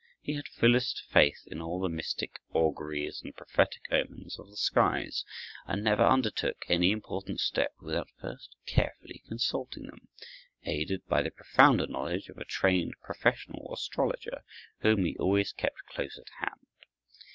He had fullest faith in all the mystic auguries and prophetic omens of the skies, and never undertook any important step without first carefully consulting them, aided by the profounder knowledge of a trained, professional astrologer, whom he always kept close at hand.